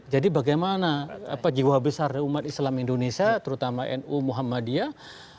jadi bagaimana jiwa besar umat islam indonesia terutama nu muhammadiyah